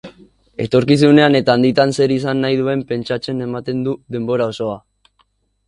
Etorkizunean eta handitan zer izan nahi duen pentsatzen ematen du denbora osoa.